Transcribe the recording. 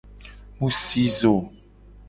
Mu si zo.